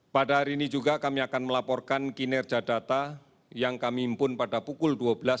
pada hari ini juga kami akan melaporkan kinerja data yang kami impun pada pukul dua belas tiga puluh